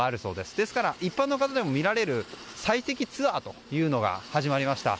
ですから一般の方でも見られる採石ツアーというのが始まりました。